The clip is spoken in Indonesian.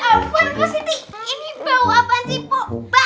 ampun positi ini bau apaan sipu